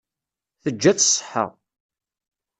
Teǧǧa-tt ṣṣeḥḥa.